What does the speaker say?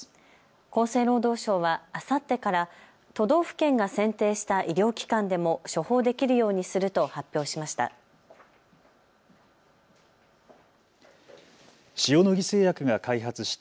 厚生労働省はあさってから都道府県が選定した医療機関でも処方できるようにすると発表しました。